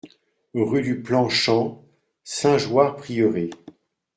Rue du Plan Champ, Saint-Jeoire-Prieuré